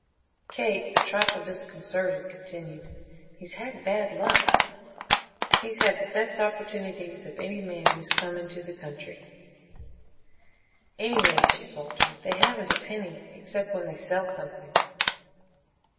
Kate, a trifle disconcerted, continued: "He's had bad luck." "He's had the best opportunities of any man who's come into the country." "Anyway," she faltered, "they haven't a penny except when they sell something."